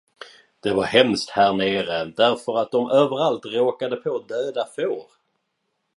Det var hemskt härnere, därför att de överallt råkade på döda får.